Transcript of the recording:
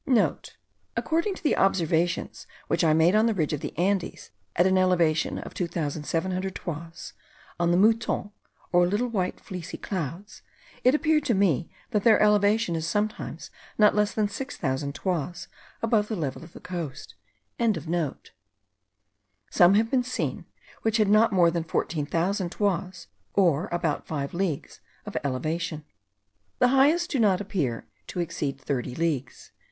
*(* According to the observations which I made on the ridge of the Andes, at an elevation of 2700 toises, on the moutons, or little white fleecy clouds, it appeared to me, that their elevation is sometimes not less than 6000 toises above the level of the coast.) Some have been seen, which had not more than 14,000 toises, or about five leagues of elevation. The highest do not appear to exceed thirty leagues.